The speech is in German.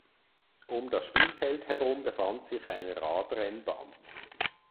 Um das Spielfeld herum befand sich eine Radrennbahn.